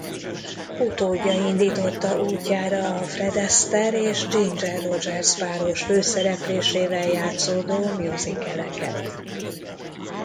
Utódja indította útjára a Fred Astaire és Ginger Rogers páros főszereplésével játszódó musicaleket.